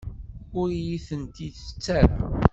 Ur iyi-tent-ttett ara.